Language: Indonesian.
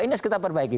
ini harus kita perbaiki